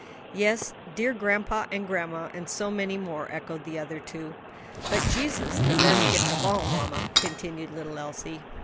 "Yes, dear grandpa and grandma, and so many more," echoed the other two. "But Jesus the best gift of all, mamma," continued little Elsie.